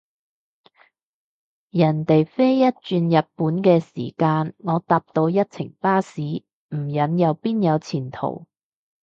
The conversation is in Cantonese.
人哋飛一轉日本嘅時間，我搭到一程巴士，唔忍又邊有前途？